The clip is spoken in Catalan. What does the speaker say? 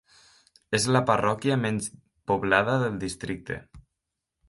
És la parròquia menys poblada del districte.